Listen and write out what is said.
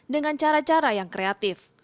dengan cara cara yang kreatif